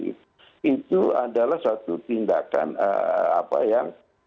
itu adalah suatu tindakan apa ya